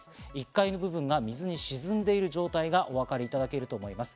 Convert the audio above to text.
１階部分が水に沈んでいる状態がお分かりいただけると思います。